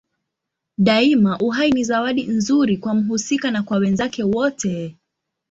Daima uhai ni zawadi nzuri kwa mhusika na kwa wenzake wote.